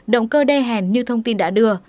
động cơ đe hèn như thông tin đã đưa